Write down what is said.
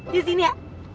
yuk sini ya